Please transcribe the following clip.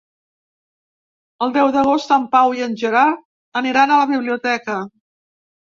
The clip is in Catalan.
El deu d'agost en Pau i en Gerard aniran a la biblioteca.